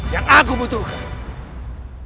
yang aku butuhkan